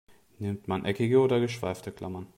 Nimmt man eckige oder geschweifte Klammern?